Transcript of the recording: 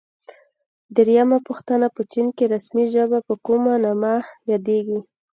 درېمه پوښتنه: په چین کې رسمي ژبه په کوم نامه یادیږي؟